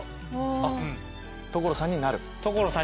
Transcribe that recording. あっ所さんになる。